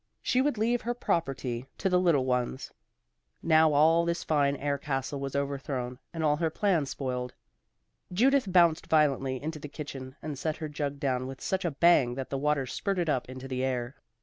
She would leave her property to the little ones. Now all this fine air castle was overthrown and all her plans spoiled. Judith bounced violently into the kitchen and set her jug down with such a bang that the water spurted up into the air.